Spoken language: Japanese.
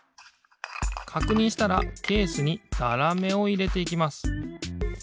かくにんしたらケースにざらめをいれていきます。